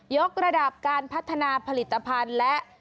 กระดับการพัฒนาผลิตภัณฑ์และ